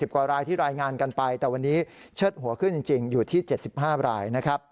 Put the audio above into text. กว่ารายที่รายงานกันไปแต่วันนี้เชิดหัวขึ้นจริงอยู่ที่๗๕รายนะครับ